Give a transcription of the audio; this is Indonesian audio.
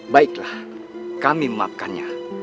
baiklah kami memaafkannya